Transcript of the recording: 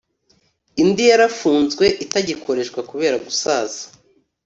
indi yarafunzwe itagikoreshwa kubera gusaza